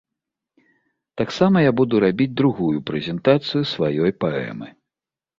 Таксама я буду рабіць другую прэзентацыю сваёй паэмы.